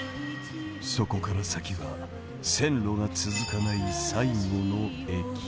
そこから先は線路が続かない最後の駅。